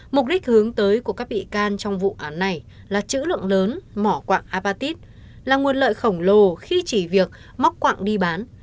mục đích hướng tới của các bị can trong vụ án này là chữ lượng lớn mỏ quạng apatit là nguồn lợi khổng lồ khi chỉ việc móc quặng đi bán